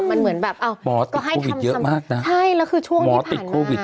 มันเหมือนแบบอ้าวหมอติดโควิดเยอะมากน่ะใช่แล้วคือช่วงที่ผ่านมาหมอติดโควิด